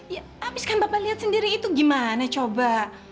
ya abiskan bapak liat sendiri itu gimana coba